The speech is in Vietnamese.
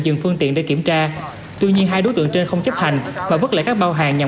dừng phương tiện để kiểm tra tuy nhiên hai đối tượng trên không chấp hành mà vứt lại các bao hàng nhằm